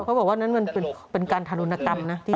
เขาบอกว่านั้นเป็นการธานุนกรรม